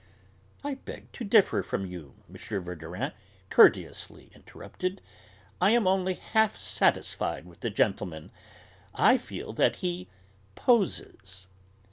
"I beg to differ from you," M. Verdurin courteously interrupted. "I am only half satisfied with the gentleman. I feel that he 'poses.'"